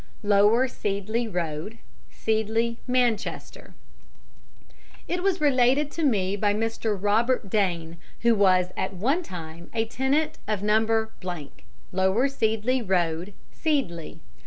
Lower Seedley Road, Seedley, Manchester_ It was related to me by Mr. Robert Dane, who was at one time a tenant of No. Lower Seedley Road, Seedley.